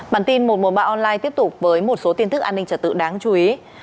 bản tin một trăm một mươi ba online tiếp tục với một số tiến thức an ninh trả tự đáng chú ý